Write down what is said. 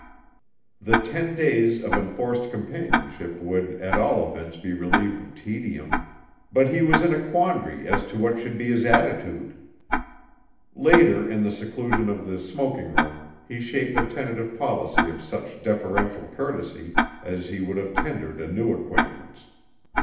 The ten days of enforced companionship would at all events be relieved of tedium, but he was in a quandary as to what should be his attitude. Later in the seclusion of the smoking room he shaped a tentative policy of such deferential courtesy as he would have tendered a new acquaintance.